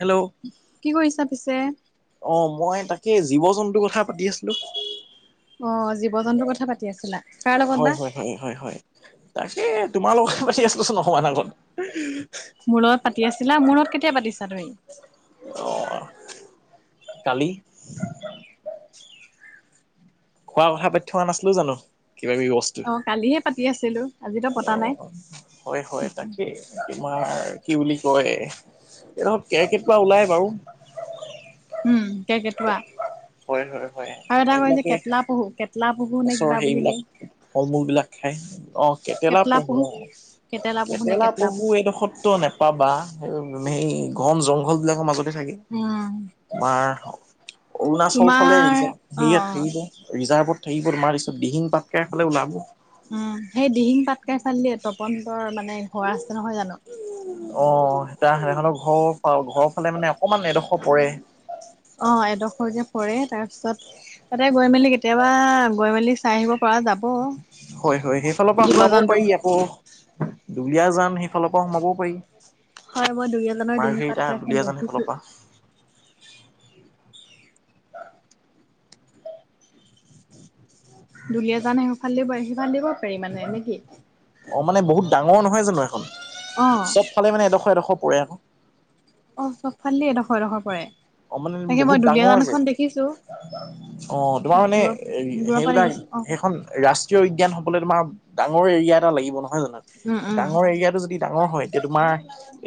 Hello কি কৰিছা পিছে? অ মই তাকে জীৱ-জন্তুৰ কথা পাতি আছিলো। অ জীৱ-জন্তুৰ কথা পাতি আছিলা? কাৰ লগত হয়, বা? হয়, হয়, হয়, হয়। তাকে তোমাৰ লগত পাতি আছিলোচোন অকমান আগত। [unintelligible] মোৰ লগত পাতি আছিলা, মোৰ লগত কেতিয়া পাতিছা তুমি? অ, কালি। খোৱাৰ কথা পাত থকা নাছিলো জানো? কিবা কিবি বচ টো অ কালিহে পাতি আছিলো আজিতো পতা নাই অ, হয় হয়। তাকেই। তোমাৰ কি বুলি কয় এই ধৰক কেৰ্কেটুৱা ওলাই বাৰু। উম, কেৰ্কেটুৱা হয় হয় হয় আৰু এটা কয় যে এইবিলাকে কেটলা পহু, কেটলা পহু নে গছৰ কিবা বুলি সেইবিলাক কয়। ফল- মূলবিলাক খায়, অ। কেটেলা পহু অ, পহু নে কেটেলা কেটলা পহু এইডখৰতটো নে বা বাঁহ, হেই ঘন জংঘলবিলাকৰ মাজতে থাকে উম বা অৰুণাচল ফালে তোমাৰ দেখিছা অ হেৰিয়াত অ। হেৰি যে ৰিজাৰ্ভত থাকিব তোমাৰ পিছত দিহিং পাটকাই ফালে ওলাব। উম সেই দিহিং পাটকাই ফাল দিয়ে তপন বৰাৰ মানে ঘৰ আছে নহয় জানো? অ তা সেহঁতৰ ঘৰৰ পা ঘৰৰ ফালে মানে অকমান এডখৰ পৰে। অ এডখৰ যে পৰে, তাৰপিছত তাতে গৈ মেলি কেতিয়াবা গৈ মেলি চাই আহিব পৰা যা হয়, হয়। সেইফালৰ পৰা সোমাবও পাৰি। জন্তুবোৰ। আকৌ দুলীয়াজান সেইফালৰ পৰা সোমাবও পাৰি। হয় মই দুলীয়াজানৰ ডিঙি মাৰ্ঘেৰিটা, পাটকা এখন দুলীয়াজান দেখিছো। সেইফালৰ পৰা। দুলিয়াজান সেইফাল দি পাৰি সেইফাল দিও পাৰি মানে নে কি? অ', মানে বহুত ডাঙৰ নহয় জানো এখন। অ'। চবফালে মানে এডোখৰ- এডোখৰ পৰে। অ', চবফালেদি এডোখৰ-এডোখৰ পৰে, অ মানে তাকে বহুত মই ডাঙৰ যে দুলীয়াজানখন দেখিছোঁ। অ', তোমাৰ মানে এই পৰা সেইবিলাক দেখিছো অ সেইখন ৰাচ ৰাষ্ট্ৰীয় উদ্যান হ'বলে তোমাৰ ডাঙৰ এৰিয়া এটা লাগিব নহয় জানো, উম উম ডাঙৰ এৰিয়াটো যদি ডাঙৰ হয় এতিয়া তোমাৰ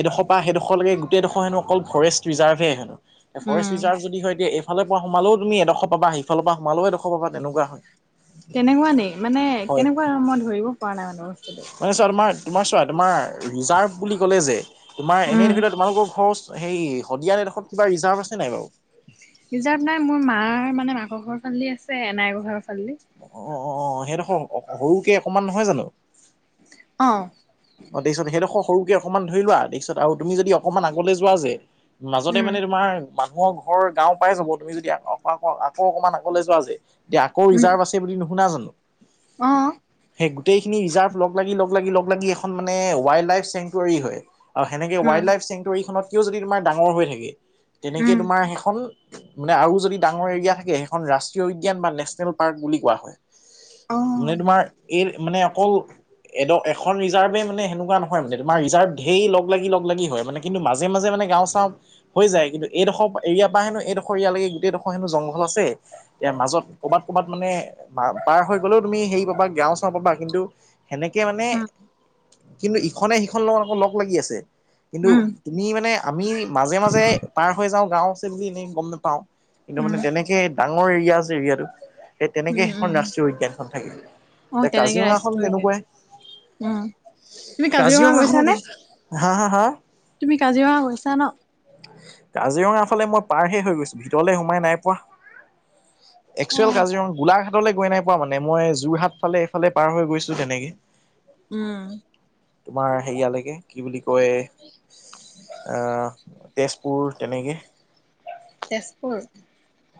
এডোখৰ পৰা সেইডোখৰলৈকে গোটেইডোখৰ হেনো অকল ফৰেষ্ট ৰিজাৰ্ভে হেনো। ফৰেষ্ট উম ৰিজাৰ্ভ যদি হয় তে এতিয়া এইফালৰ পৰা সোমালো তুমি এডোখৰ পাব সেইফালৰ পৰা সোমালও এডোখৰ পাবা তেনেকুৱা হয়। তেনেকুৱা নি মানে হয় হয় কেনেকুৱা মই ধৰিব পৰা নাই মানে বস্তুটো। মানে চোৱা তোমাৰ তোমাৰ চোৱা তোমাৰ ৰিজাৰ্ভ বুলি ক'লে যে, তোমাৰ এনে উম ধৰি লোৱা তোমালোকৰ ঘৰ সেই শদিয়াৰ এডোখৰত কিবা ৰিজাৰ্ভ আছে নাই বাৰু। ৰিজাৰ্ভ নাই মোৰ মাৰ মানে মাকৰ ঘৰৰ ফালেদি আছে এনাইকৰ ঘৰৰ ফালদি। অ অ সেইডোখৰ সৰুকে অকণমান নহয় জানো অ অ দেখিছ সেইদখ সৰুকে অকণমান ধৰি লোৱা দেখিছ আৰু তুমি যদি অকণমান আগলৈ যোৱা যে মাজতে উম মানে তোমাৰ মানুহৰ ঘৰ গাওঁ পাই যাব তুমি যদি আ আকৌ অকণমান আগলৈ যোৱা যে এতিয়া আকৌ উম ৰিজাৰ্ভ আছে বুলি নোশুনা জানোঁ অ গোটেই খিনি ৰিজাৰ্ভ লগ লাগি লগ লাগি লগ লাগি এখন মানে ৱাইল্ড লাইফ চেংটুৱাৰী হয় আৰু সেনেকে উম ৱাইল্ড লাইফ চেংটুৰীখনত কেও যদি তোমাৰ ডাঙৰ হৈ থাকে তেনেকে উম তোমাৰ সেইখন মানে আৰু যদি ডাঙৰ এৰিয়া থাকে সেইখন ৰাষ্ট্ৰীয় উদ্যান বা নেচনেল পাৰ্ক বুলি কোৱা হয় অ মানে তোমাৰ এই মানে অকল এড এখন ৰিজাৰ্ভে মানে সেনেকুৱা নহয় মানে তোমাৰ ৰিজাৰ্ভ ঢেৰ লগ লাগি লগ লাগি হয় মানে কিন্তু মাজে মাজে মানে গাওঁ চাওঁ হৈ যায় কিন্তু এইডোখৰ এৰিয়াৰ পৰা হেনো এইডোখৰ এৰিয়ালৈকে গোটেই ডোখৰ হেনো জংঘল আছে ইয়াৰ মাজত ক'ৰবাত ক'ৰবাত মানে পাৰ হৈ গলেও তুমি হেৰি পাবা গাঁও চাওঁ পাবা কিন্তু সেনেকে মানে উম কিন্তু ইখনে সিখনৰ লগত আকৌ লগ লাগি আছে কিন্তু উম তুমি মানে আমি মাজে মাজে পাৰ হৈ যাওঁ গাওঁ আছে বুলি এনেই গম নেপাওঁ কিন্তু উম মানে তেনেকে ডাঙৰ এৰিয়া আছে এৰিয়াটো সেই তেনেকে উম সেইখন উম ৰাষ্ট্ৰীয় উদ্যানখন থাকে অ এতিয়া তেনেকে কাজিৰঙাখন ৰাইচটো থৈ দিয়ে তেনেকুৱাই উম তুমি কাজিৰঙা কাজিৰঙাখনো গৈছানে দেখি হা হা হা তুমি কাজিৰঙা গৈছা ন কাজিৰঙা ফালে মই পাৰহে হৈ গৈছোঁ ভিতৰলে সোমাই নাই পোৱা অ এক্সোৱেল কাজিৰঙা গোলাঘাট লে গৈ নাই পোৱা মানে মই যোৰহাট ফালে এইফালে পাৰ হৈ গৈছোঁ তেনেকে উম তোমাৰ সেৰিয়ালৈকে কি বুলি কয় আহ তেজপুৰ তেনেকে তেজপুৰ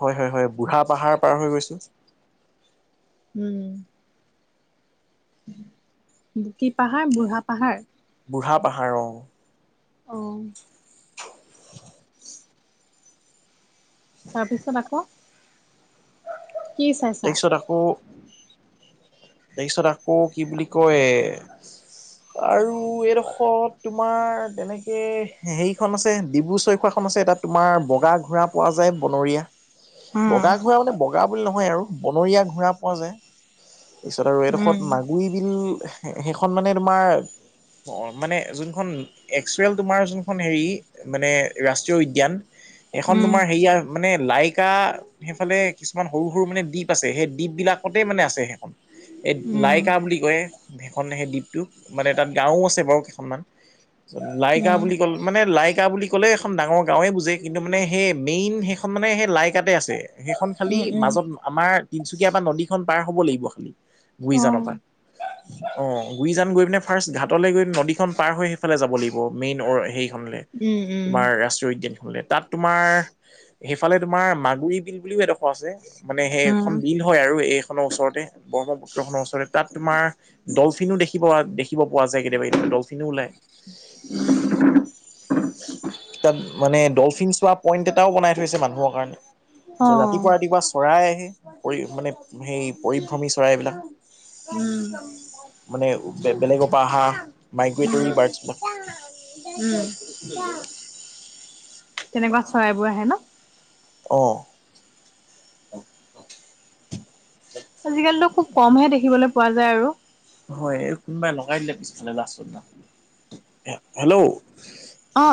হয় হয় হয় বুঢ়া পাহাৰ পাৰ হৈ গৈছো উম বুকি পাহাৰ বুঢ়া পাহাৰ বুঢ়া পাহাৰ অ অ [unintelligible] তাৰপিছত আকৌ কি চাইছা? তেইছত আকৌ তেইছত আকৌ কি বুলি কয় আৰু এইডোখৰত তোমাৰ তেনেকে হেৰিখন আছে ডিব্ৰু চৈখোৱা খন আছে তাত তোমাৰ বগা ঘোঁৰা পোৱা যায় বনৰীয়া উম বগা ঘোঁৰা মানে বগা বুলি নহয় আৰু বনৰীয়া ঘোঁৰা পোৱা যায় তাৰপিছত আৰু উম এডোখৰত মাগুৰী বিল সেইখন মানে তোমাৰ অ মানে যোনখন এক্সুৱেল তোমাৰ যোনখন হেৰি মানে ৰাষ্ট্ৰীয় উদ্যান এখন তোমাৰ হেৰিয়া মানে লাইকা সেইফালে কিছুমান সৰু সৰু মানে দ্বীপ আছে সেই দ্বীপ বিলাকতে মানে আছে সেইখন এই উম লাইকা বুলি কয় সেইখন সেই দ্বীপটো মানে তাত গাওঁ আছে বাৰু কেইখনমান লাইকা উম বুলি কল মানে লাইকা বুলি ক'লে এখন ডাঙৰ গাঁৱে বুজে কিন্তু মানে সেই মেইন সেইখন মানে সেই লাইকাতে আছে সেইখন খালি উম উম উম মাজত আমাৰ তিনচুকীয়া পা নদীখন পাৰ হ'ব লাগিব খালী অ গুৰিজানৰ পৰা অ গুৰিজান গৈ পিনে ফাৰ্ষ্ট ঘাটলৈ গৈ নদীখন পাৰ হৈ সেইফালে যাব লাগিব মেইন হেৰিখনলে। উম উম তোমাৰ ৰাষ্ট্ৰীয় উদ্যান শুলে তাত তোমাৰ সেইফালে তোমাৰ মাগুুৰী বিল বুলিও এডোখৰ আছে মানে উম সেইখন বিল হয় আৰু এইখনৰ ওচৰতে। ব্ৰহ্মপুত্ৰখনৰ ওচৰতে তাত তোমাৰ ডলফিনো দেখিব পৱাত দেখিব পোৱা যায় কেতিয়াবা কেতিয়াবা ডলফিনো ওলায়। উম। তাত মানে ডলফিন চোৱাপ পইণ্ট এটাও বনাই থৈছে মানুহৰ কাৰণে অ ৰাতিপুৱা উম ৰাতিপুৱা চৰাই আহে পৰি মানে সেই পৰিভ্ৰমী চৰাইবিলাক [unintelligible] মানে বেলেগৰ পৰা অহা উম মাইগ্ৰেটৰী বাৰ্ডছ ব উম [unintelligible] [unintelligible] তেনেকুৱা চৰাইবোৰ আহে ন। অ। আজিকালিটো খুব কমহে দেখিবলৈ পোৱা যায় আৰু। হয় এই কোনোবাই লগাই দিলে পিছফালে লাষ্টত দিনা হেল্ল'। অ।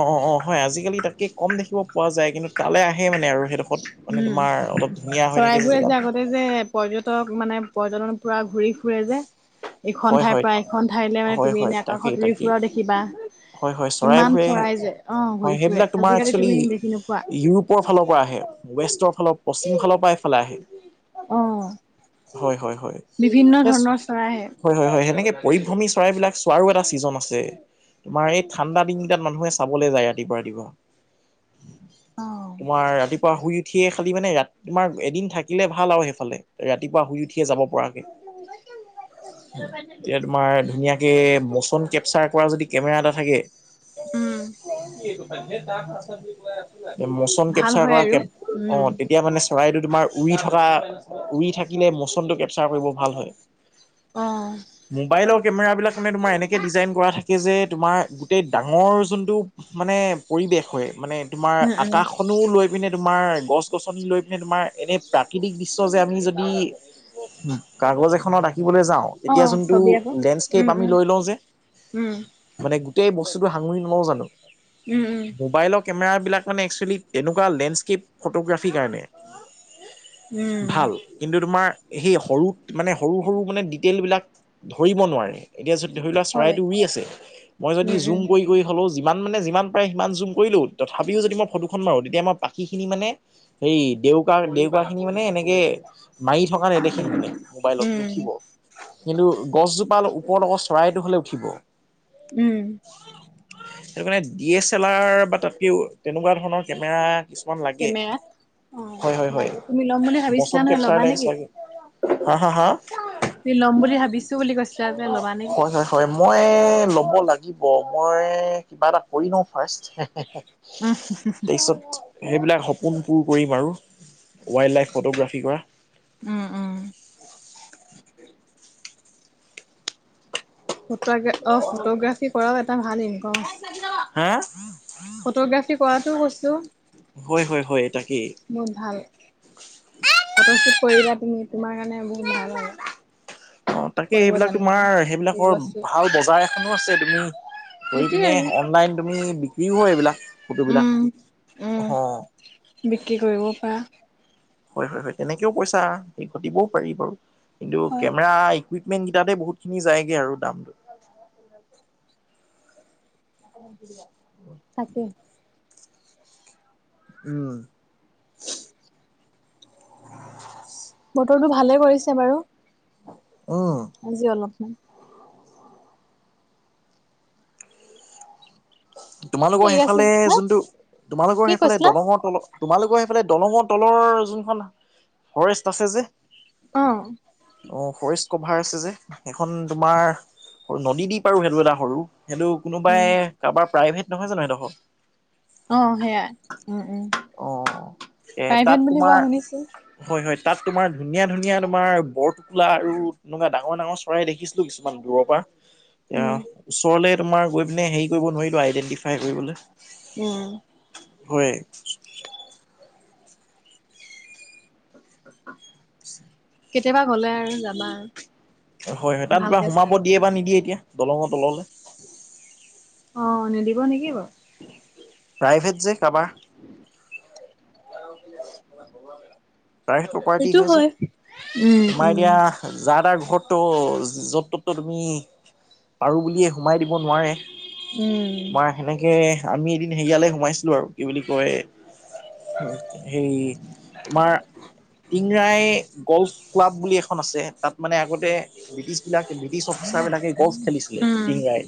অ অ অ হয় আজিকালি তাকে কম দেখিব পোৱা যায় কিন্তু তালে আহে মানে আৰু সে- খত মানে উম তোমাৰ অলপ ধুনীয়া হৈ থাকে যে চৰাইবোৰে জেগাটো। আগতে যে পৰ্যটক মানে পৰ্যটন পুৰা ঘূৰি ফুৰে যে এখন হয় ঠাইৰ হয়, পৰা এখন ঠাইলৈ মানে হয় তুমি হয়, এনেই তাকেই আকাশত উৰি তাকেই ফুৰাও দেখিবা। হয় হয় ইমান চৰাইবোৰে চৰাই যে অ হয় ঘূৰি ফুৰে আজিকালি তুমি দেখি নোপোৱা। পূবৰ ফালৰ পৰা আহে ৱেষ্টৰ ফালৰ পশ্চিম ফালৰ পৰা এইফালে আহে। অ [unintelligible] হয় হয় হয়। বিভিন্ন এচ ধৰণৰ চৰাই আহে হয় হয় হয় সেনেকে পৰিভ্ৰমী চৰাইবিলাক চোৱাৰো এটা ছিজন আছে। তোমাৰ এই ঠাণ্ডা দিনকেইটা মানুহে চাবলে যায় ৰাতিপুৱা ৰাতিপুৱা। তোমাৰ ৰাতিপুৱা শুই উঠিয়ে খালি মানে ৰাতি তোমাৰ এদিন থাকিলে ভাল আৰু সেইফালে ৰাতিপুৱা শুই উঠিয়ে যাব পৰাকে। এতিয়া তোমাৰ ধুনীয়াকে মচন কেপচাৰ কৰা যদি কেমেৰা এটা থাকে। উম। কি সেইটো খাইছ তাক আচল বুলি কোৱা মচম ভাল কেপচাৰ হয় কৰা আৰু কেম অ উম তেতিয়া মানে চৰাইটো তোমাৰ উৰি থকা উৰি থাকিলে ম'চনটো কেপচাৰ কৰিব ভাল হয়। অ। মোবাইলৰ কেমেৰা বিলাক মানে তোমাৰ এনেকে ডিজাইন কৰা থাকে যে তোমাৰ গোটেই ডাঙৰ যোনটো মানে পৰিৱেশ হয় মানে তোমাৰ উম আকাশখনো লৈ পিনে তোমাৰ গছ গছনি লৈ পিনে তোমাৰ এনে প্ৰাকৃতিক দৃশ্য যে আমি যদি কাগজ এখনত আকিবলে যা- অ তেতিয়া যোনটো ছবি আকৌ লেণ্ডস্কেপ উম আমি উম লৈ লওঁ যে উম মানে গোটেই বস্তুটো সাঙুৰি নলও জানো উম উম মোবাইলক কেমেৰা বিলাক মানে এক্সচোৱেলী তেনেকুৱা লেণ্ডস্কেপ ফটোগ্ৰাফি কাৰণে। উম ভাল কিন্তু তোমাৰ সেই সৰু মানে সৰু সৰু মানে দি- তেলবিলাক ধৰিব নোৱাৰে। এতিয়া যদি ধৰি লোৱা হয় চৰাইটো উই আছে। মই যদি উম জুম উম কৰি কৰি হ'লেও যিমান মানে যিমান পাৰে সিমান জুম কৰি লওঁ তথাপিও যদি মই ফটোখন মাৰো তেতিয়া মই পাখিখিনি মানে সেই দেউকা দেউকা খিনি মানে এনেকে মাৰি থকা নেদেখি মানে মোবাইলত উম নুঠিব। কিন্তু গছজোপা ওপত অক চৰাইটো হলে উঠিব। উম। সেইটো কাৰণে ডি এছ এল আৰ বা তাতকে তেনেকুৱা ধৰণৰ কেমেৰা কিছুমান লাগে কেমেৰাত অ হয় হয় হয় লাগে তুমি ল'ম বুলি ভাবিছিলা বচন নহয় কেপচাৰ ল'বা লেন্স নেকি লাগে। হা হা হা। [unintelligible] ল'ম বুলি ভাবিছো বুলি কৈছিলা যে ল'বা নেকি? হয় হয় হয় মই ল'ব লাগিব মই কিবা এটা কৰি লওঁ ফাৰ্ষ্ট হে- হে। উম, তেইছব সেইবিলাক সপোন পুৰ কৰিম আৰু ৱাইল্ড লাইফ ফটোগ্ৰাফীকৰ। উ-উ ত' আগে অ, ফটোগ্ৰাফী কৰাও এটা ভাল ইনকম হা আছে। ফটোগ্ৰাফী কৰাটোও কৈছো। হয়-হয়-হয় তাকেই। বহুত ভাল ফটোশ্বুট কৰিবা তুমি তোমাৰ কাৰণে বহুত ভাল আৰু। অ, তাকে কৰিব সেইবিলাক জানিলে। তোমাৰ সেইবিলাকৰ বস্তু ভাল বজাৰ এখনো আছে তুমি কৰি সেইটোয়ে পিনে আৰু অনলাইন তুমি বিক্ৰীও হয় এইবিলাক ফটোবিলাক উম উম অ, বিক্ৰী কৰিবও পাৰা। হয়-হয়-হয় এনেকেও পইচা সেই দিবও পাৰি বাৰু কিন্তু হয় কেমেৰা কুইপমেণ্ট কিটাতে বহুতখিনি যায়গে আৰু দামটো। [unintelligible] [unintelligible] তাকে। উম, [unintelligible] বতৰটো ভালে কৰিছে বাৰু। উম, এইযে অলপমান তোমালোকৰ ঠিক আছে সেইফালে হা যোনটো তোমালোকৰ কি সেইফালে কৈছিলা? দলঙৰ তলৰ তোমালোকৰ এইফালে দলঙৰ তলৰ যোনখন ফৰেষ্ট আছে যে। অ', অ, ফৰেষ্ট কভাৰ আছে যে সেইখন তোমাৰ সৰু নদী দ্বীপ পাৰো সেইটো এটা সৰু সেইটো কোনোবাই উম, কাৰোবাৰ প্ৰাইভেট নহয় জানো সেদখৰ? অ, সেয়াই উম-উম অ এ তাত প্ৰাইভেট বুলি তোমাৰ কোৱা শুনিছো। হয় -হয় তাত তোমাৰ ধুনীয়া -ধুনীয়া তোমাৰ বৰটোকোলা আৰু তেনেকুৱা ডাঙৰ- ডাঙৰ চৰাই দেখিছোঁ কিছুমান দূৰৰ পা [inaudible] এ অ, ওচৰলে তোমাৰ গৈ পিনে হেৰি কৰিব নোৱাৰিলো আইডেন্টিফাই কৰিবলে। উম, হয়। কেতিয়াবা গ'লে আৰু যাবা [unintelligible] হয়-হয় তাত বা ভালকে সোমাব চাম। দিয়ে বা নিদিয়ে এতিয়া? দলঙত তললে। অ, নিদিব নেকি বাও? প্ৰাইভেট যে কাবাৰ প্ৰাইভেট প্ৰপাৰ্টি হয় যে উম, তোমাৰ উম, এতিয়া যাৰ তাৰ ঘৰত টো য'ত ত'ত তো তুমি পাৰোঁ বুলিয়ে সোমাই দিব নোৱাৰে। উম, তোমাৰ সেনেকে আমি এদিন হেইয়ালে সোমাইছিলোঁ আৰু কি বুলি কয় সেই তোমাৰ টিংৰাই গল্ফ ক্লাব বুলি এখন আছে তাত মানে আগতে ব্ৰিটিছ বিলাক ব্ৰিটিছ অফিচাৰ বিলাকে গল্ফ খেলিছিলে। উম। ডিংৰাই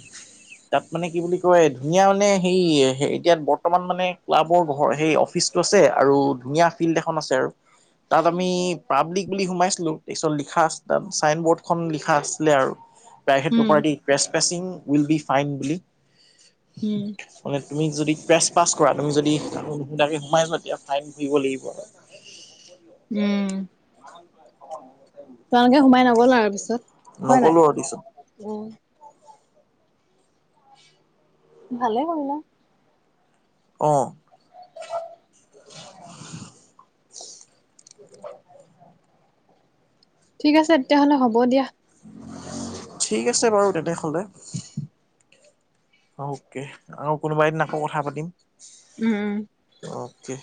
তাত মানে কি বুলি কয় ধুনীয়া মানে হেই সেই এতিয়াত বৰ্তমান মানে ক্লাবৰ ঘৰ সেই অফিচটো আছে আৰু ধুনীয়া ফিল্ড এখন আছে আৰু তাত আমি পাব্লিক বুলি সোমাইছিলোঁ তাছত লিখা আছিলে চাইন বৰ্ডখন লিখা আছিলে আৰু। Private um, property press প্ৰেচিং will be fine বুলি। উম, মানে তুমি যদি প্ৰেছ পাছ কৰা তুমি যদি কাকো নোসোধাকে সোমাই যোৱা এতিয়া ফাইন ভৰিব লাগিব [unintelligible] উম, [unintelligible] তেওঁলোকে সোমাই নগ'ল আৰু পিছত। নগ'লো আৰু পিছত। উম, ভালে কৰিলা। অ', [inaudible] [unintelligible] ঠিক আছে তেতিয়াহ'লে হ'ব দিয়া। ঠিক আছে বাৰু তেনেহ'লে। অকে আৰু কোনোবা এদিন আকৌ কথা পাতিম। উম, অকে।